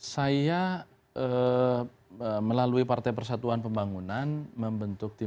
saya melalui partai persatuan pembangunan membentuk tim pencari penyelenggaraan